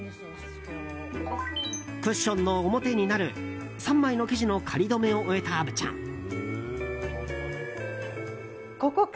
クッションの表になる３枚の生地の仮留めを終えた虻ちゃん。